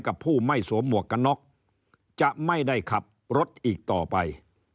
ผู้ไม่สวมหมวกกันน็อกจะไม่ได้ขับรถอีกต่อไป